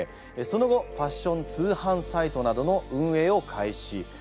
その後ファッション通販サイトなどの運営を開始。